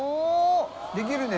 できるね。